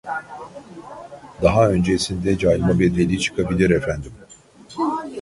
Daha öncesinde cayma bedeli çıkabilir efendim